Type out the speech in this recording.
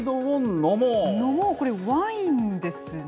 飲もう、これワインですね。